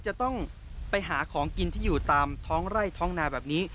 จะต้องไปหาของกินที่อยู่ตามท้องไร่ท้องนาแบบนี้